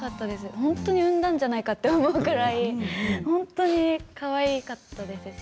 本当に産んだんじゃないかと思うぐらいかわいかったです。